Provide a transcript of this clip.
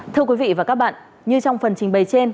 thưa quý vị và các bạn như trong phần trình bày trên